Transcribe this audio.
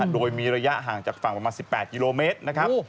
โดยมีระยะห่างจากฝั่งประมาณ๑๘กิโลเมตรนะครับ